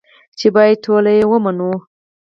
چې بايد ټول يې ومنو.